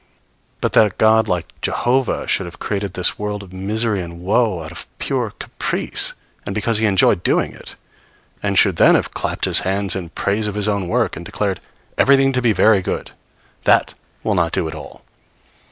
But that a God like Jehovah should have created this world of misery and woe, out of pure caprice, and because he enjoyed doing it, and should then have clapped his hands in praise of his own work, and declared everything to be very good that will not do at all!